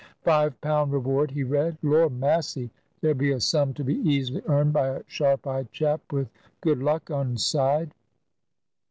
"Five pound reward!" he read. "Lor massy! There be a sum to be easily earned by a sharp eyed chap with good luck on 's side."